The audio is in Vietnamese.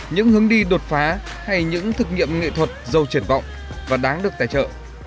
những hướng đi đột phá hay những thực nghiệm nghệ thuật giàu triển vọng và đáng được tài trợ